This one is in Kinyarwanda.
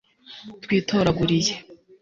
Twitoraguliye